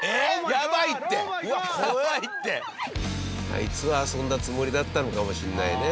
あいつは遊んだつもりだったのかもしれないね。